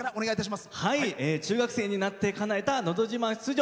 中学生になってからかなえた「のど自慢」出場。